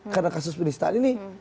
karena kasus penistaan ini